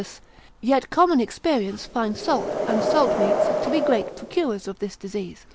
yet common experience finds salt, and salt meats, to be great procurers of this disease.